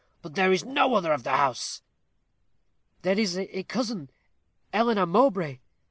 But there is no other of the house." "There is a cousin, Eleanor Mowbray."